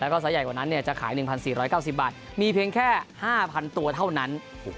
แล้วก็ไซส์ใหญ่กว่านั้นจะขาย๑๔๙๐บาทมีเพียงแค่๕๐๐ตัวเท่านั้น